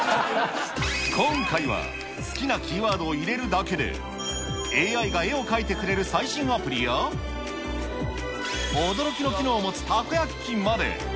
今回は、好きなキーワードを入れるだけで、ＡＩが絵を描いてくれる最新アプリや、驚きの機能を持つたこ焼き器まで。